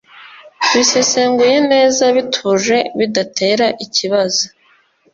bisesenguye neza, bituje, bidatera ikibaza